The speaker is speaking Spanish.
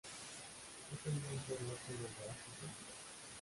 Es el límite norte del oasis de Mendoza.